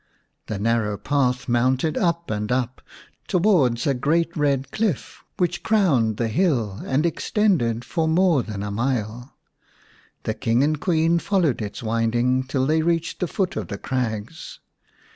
The narrow path mounted up and up towards a great red cliff, which crowned the hill and extended for more than a mile. The King and Queen followed its windings till they reached the foot of the crags.